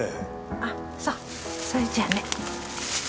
あっそうそれじゃあね。